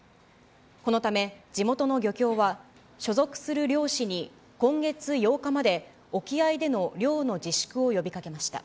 このため、地元の漁協は、所属する漁師に、今月８日まで、沖合での漁の自粛を呼びかけました。